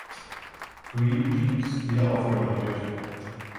Green Genes“ wiederaufgenommen wird.